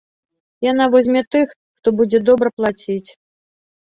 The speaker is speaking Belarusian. Яна возьме тых, хто будзе добра плаціць.